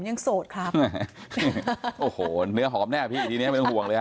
โสดครับโอ้โหเนื้อหอมแน่พี่ทีนี้ไม่ต้องห่วงเลยฮ